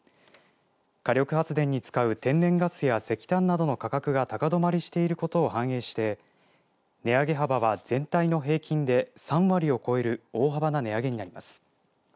火力発電に使う天然ガスや石炭などの価格が高止まりしていることを反映して値上げ幅は、全体の平均で３割を超える大幅な値上げになります。